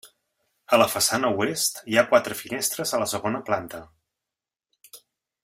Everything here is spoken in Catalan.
A la façana oest, hi ha quatre finestres a la segona planta.